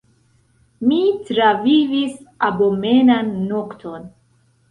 Mi travivis abomenan nokton.